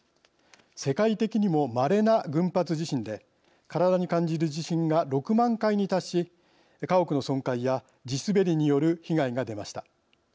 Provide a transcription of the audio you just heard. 世界的にもまれな群発地震で体に感じる地震が６万回に達し家屋の損壊や地滑りによる被害が出ました。